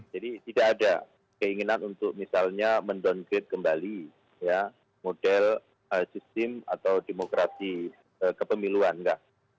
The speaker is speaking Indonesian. jadi tidak ada keinginan untuk misalnya mendowngrade kembali model sistem atau demokrasi kepemiluan enggak